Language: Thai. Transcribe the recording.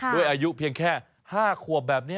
ด้วยอายุเพียงแค่๕ขวบแบบนี้